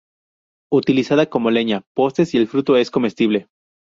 Utilizada como leña, postes y el fruto es comestible.